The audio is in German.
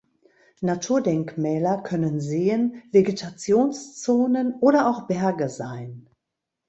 Naturdenkmäler können Seen, Vegetationszonen oder auch Berge sein.